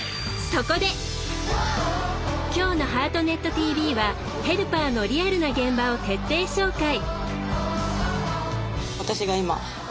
今日の「ハートネットＴＶ」はヘルパーのリアルな現場を徹底紹介。